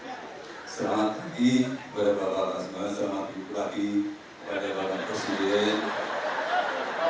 selamat pagi kepada pak pak laksman selamat hidup lagi pada pak pak presiden